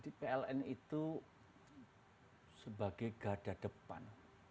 jadi pln itu sebagai garda depan